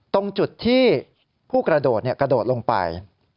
ตรงจุดที่ผู้กระโดดกระโดดลงไป